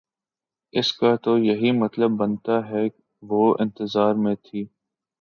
اس کا تو یہی مطلب بنتا ہے وہ انتظار میں تھی